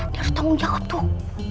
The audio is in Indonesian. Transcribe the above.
dia harus tanggung jawab tuh